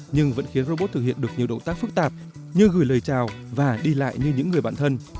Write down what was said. nhưng vẫn khiến robot thực hiện được nhiều động tác phức tạp như gửi lời chào và đi lại như những người bạn thân